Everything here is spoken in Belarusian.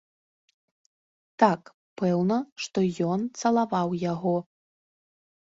Так, пэўна, што ён цалаваў яго.